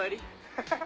ハハハハ。